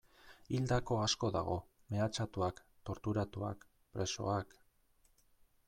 Hildako asko dago, mehatxatuak, torturatuak, presoak...